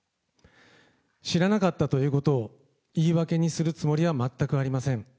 知らなかったということを言い訳にするつもりは全くありません。